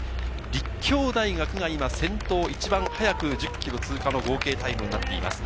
立教大学が今先頭、一番早く１０ｋｍを通過、合計タイムになっています。